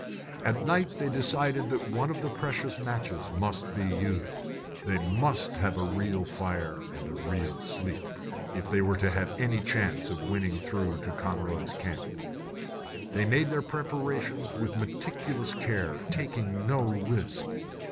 At night they decided that one of the precious matches must be used. They must have a real fire and a real sleep, if they were to have any chance of winning through to Conroy's Camp. They made their preparations with meticulous care, taking no risk.